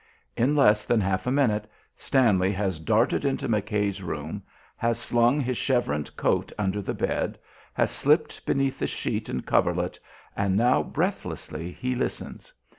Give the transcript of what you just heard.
In less than half a minute Stanley has darted into McKay's room; has slung his chevroned coat under the bed; has slipped beneath the sheet and coverlet, and now, breathlessly, he listens.